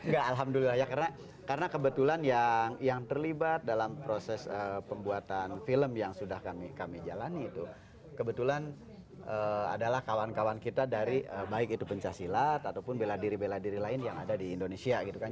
ya alhamdulillah ya karena kebetulan yang terlibat dalam proses pembuatan film yang sudah kami jalani itu kebetulan adalah kawan kawan kita dari baik itu pencaksilat ataupun bela diri bela diri lain yang ada di indonesia gitu kan